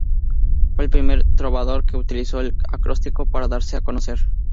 Fue el primer trovador que utilizó el acróstico para darse a conocer.